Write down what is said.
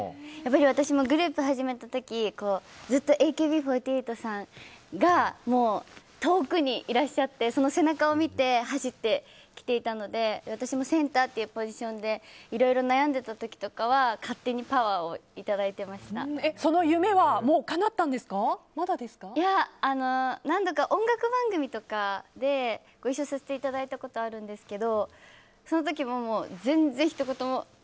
私もグループ始めた時にずっとＡＫＢ４８さんがもう、遠くにいらっしゃってその背中を見て走ってきていたので私もセンターというポジションでいろいろ悩んでいた時とかは勝手にその夢はいや、何度か音楽番組とかでご一緒させていただいたことがあるんですけどその時も、全然、ひと言も。